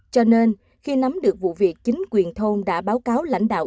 cho nên khi nắm được vụ việc chính quyền thôn đã báo cáo lãnh đạo